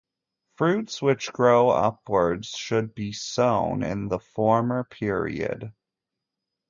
Fruits which grow upwards should be sown in the former period.